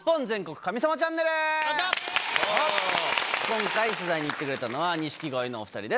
今回取材に行ってくれたのは錦鯉のお２人です。